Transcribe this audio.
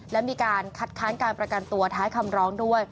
และมีการคัดค้านการประกันตัวท้ายคำร้องด้วย